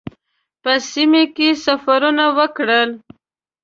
په سیمه کې سفرونه وکړل.